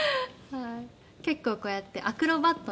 結構こうやってアクロバットな。